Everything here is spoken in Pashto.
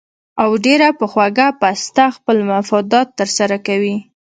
او ډېره پۀ خوږه پسته خپل مفادات تر سره کوي